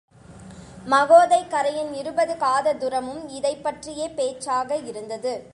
மகோதைக் கரையின் இருபது காத துரமும் இதைப் பற்றியே பேச்சாக இருந்தது.